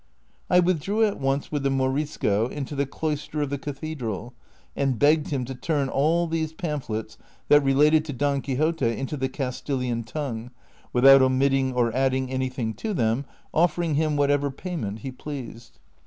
I withdrew at once with the Morisco into the cloister of the cathedral, and begged him to turn all these pamphlets that related to Don Quixote into the (Jastilian tongue, without omitting or adding anything to them, offering him whatever payment he pleased.